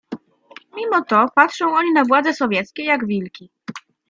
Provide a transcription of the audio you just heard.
"Mimo to patrzą oni na władzę sowieckie, jak wilki."